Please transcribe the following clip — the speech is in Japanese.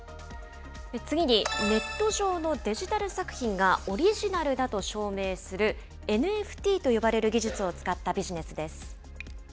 次に、ネット上のデジタル作品がオリジナルだと証明する、ＮＦＴと呼ばれる技術を使ったビジネスです。